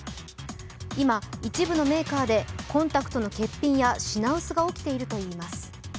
今、一部のメーカーでコンタクトの欠品や品薄が起きているといいます。